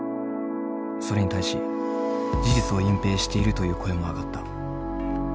それに対し事実を隠蔽しているという声も上がった。